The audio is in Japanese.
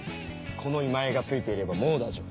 この今井がついていればもう大丈夫。